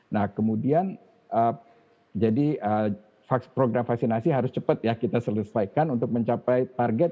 nah kemudian jadi program vaksinasi harus cepat ya kita selesaikan untuk mencapai target